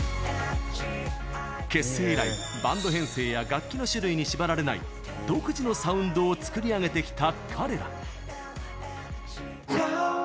結成以来、バンド編成や楽器の種類に縛られない独自のサウンドを作り上げてきた彼ら。